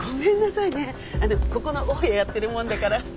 あのここの大家やってるもんだから。